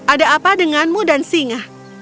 ada apa denganmu dan singa